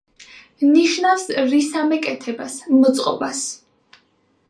ნიშნავს რისამე კეთებას, მოწყობას.